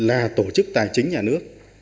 à tổ chức tài chính nhà nước